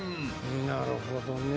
なるほどね。